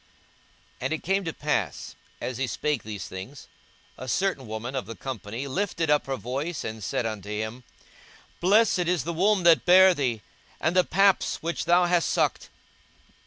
42:011:027 And it came to pass, as he spake these things, a certain woman of the company lifted up her voice, and said unto him, Blessed is the womb that bare thee, and the paps which thou hast sucked.